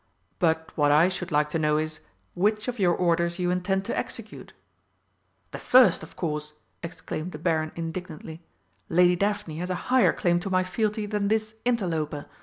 "But what I should like to know is, which of your orders you intend to execute?" "The first, of course," exclaimed the Baron indignantly. "Lady Daphne has a higher claim to my fealty than this interloper.